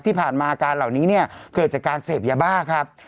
ที่ผ่านมาอาการเหล่านี้เนี่ยเกิดจากการเสพยาบ้าครับ